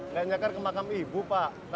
gak nyakar ke makam ibu pak